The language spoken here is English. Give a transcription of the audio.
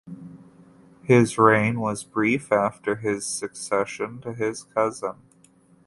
His reign was brief after his succession to his cousin.